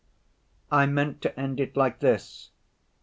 "I meant to end it like this.